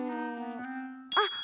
あっ！